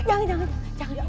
jangan jangan jangan